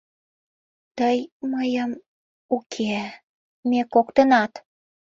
Тый мыйым... уке... ме коктынат...